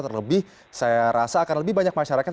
terlebih saya rasa akan lebih banyak masyarakat